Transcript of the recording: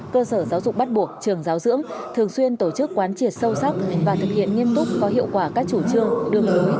cơ sở giáo dục bắt buộc trường giáo dưỡng thường xuyên tổ chức quán triệt sâu sắc và thực hiện nghiêm túc có hiệu quả các chủ trương đường lối